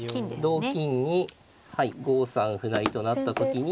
同金にはい５三歩成と成った時に。